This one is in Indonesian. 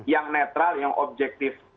yang netral yang objektif